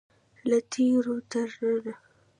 له تیرو تر ننه.